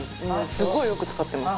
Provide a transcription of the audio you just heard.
すごいよく使ってます！